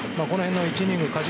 この辺の１イニング勝ち２